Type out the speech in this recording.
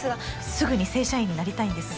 すぐに正社員になりたいんです。